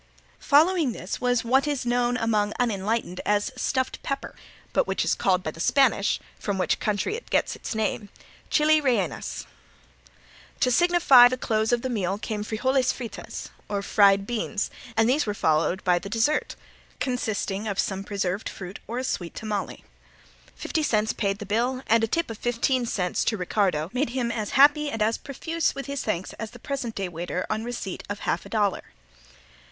Following this was what is known among unenlightened as "stuffed pepper," but which is called by the Spanish, from which country it gets its name, "chili reinas." To signify the close of the meal came frijoles fritas or fried beans, and these were followed by the dessert consisting of some preserved fruit or of a sweet tamale. Fifty cents paid the bill and a tip of fifteen cents to Ricardo made him as happy and as profuse with his thanks as the present day waiter on receipt of half a dollar.